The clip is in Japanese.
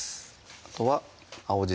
あとは青じ